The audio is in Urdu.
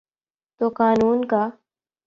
تو قانون کا۔